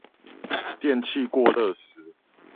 電器過熱時